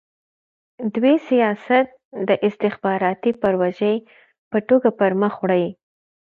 دوی سیاست د استخباراتي پروژې په توګه پرمخ وړي.